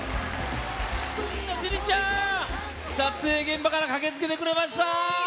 趣里ちゃん、撮影現場から駆けつけてくれました！